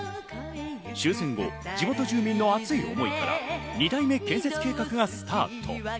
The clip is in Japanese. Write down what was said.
終戦後、地元住民の熱い思いから２代目建設計画がスタート。